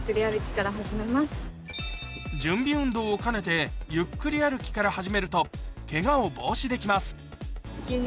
準備運動を兼ねてゆっくり歩きから始めるとケガを防止できます